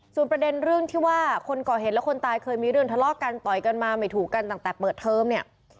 ส่วนประเด็นเรื่องที่ว่าคนก่อเหตุและคนตายเคยมีเรื่องทะเลาะกันต่อยกันมาไม่ถูกกันตั้งแต่เปิดเทอมเนี่ย